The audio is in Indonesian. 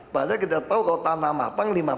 padahal kita tahu kalau tanah mapang